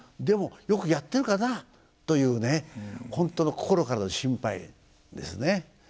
でもよくやってるかなというね本当の心からの心配ですね。